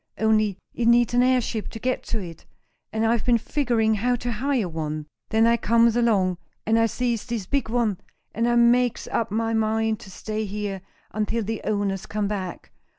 Only it needs an airship to get to it, and I've been figuring how to hire one. Then I comes along, and I sees this big one, and I makes up my mind to stay here until the owners come back.